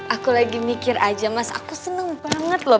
aku lagi mikir aja mas aku seneng banget loh